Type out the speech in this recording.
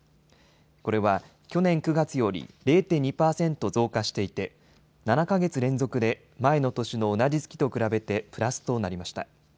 これは去年９月より０．２％増加していて７か月連続で前の年の同じ月と比べてプラスとなりました。